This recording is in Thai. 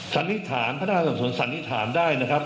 สันนิษฐานพระนางสมสนสันนิษฐานได้นะครับ